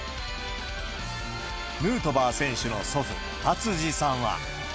ヌートバー選手の祖父、達治さんは。